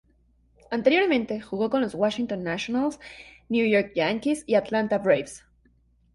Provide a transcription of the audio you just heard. Anteriormente jugó con los Washington Nationals, New York Yankees y Atlanta Braves.